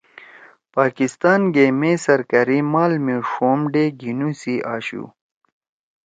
پاکستان گے مے سرکأری مال می ݜوم ڈے گھینُو سی آشُو